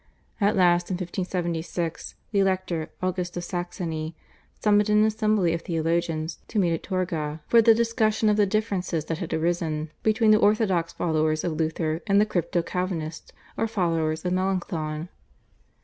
At last in 1576 the Elector August of Saxony summoned an assembly of theologians to meet at Torgau, for the discussion of the differences that had arisen between the orthodox followers of Luther and the Crypto Calvinists or followers of Melanchthon.